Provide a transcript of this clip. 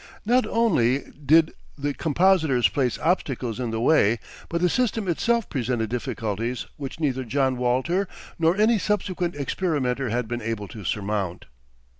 Not only did the compositors place obstacles in the way, but the system itself presented difficulties which neither John Walter nor any subsequent experimenter has been able to surmount.